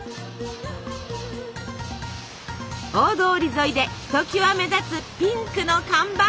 大通り沿いでひときわ目立つピンクの看板。